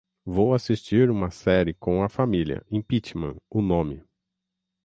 Vou assistir uma série com a família. Impeachment, o nome.